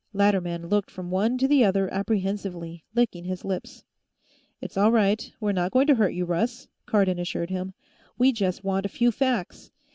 Latterman looked from one to the other apprehensively, licking his lips. "It's all right; we're not going to hurt you, Russ," Cardon assured him. "We just want a few facts.